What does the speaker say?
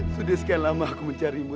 sudah sekian lama aku mencarimu